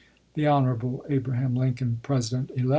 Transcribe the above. ms. The Hon. Abraham Lincoln, President elect.